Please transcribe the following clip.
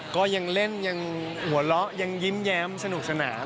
ก็ยังเล่นยังหัวเราะยังยิ้มแย้มสนุกสนาน